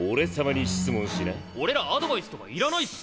俺らアドバイスとかいらないっす。